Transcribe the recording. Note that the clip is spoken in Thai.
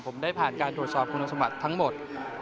ผมได้ผ่านการโดดชอบคุณภาพสมบัติทั้งหมด